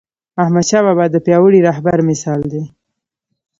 احمدشاه بابا د پیاوړي رهبر مثال دی..